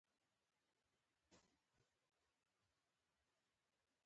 ایا زه له یو لوښي خوړلی شم؟